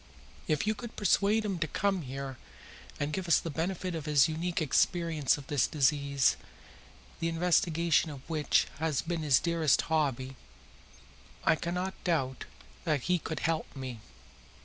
If you could persuade him to come here and give us the benefit of his unique experience of this disease, the investigation of which has been his dearest hobby, I cannot doubt that he could help me."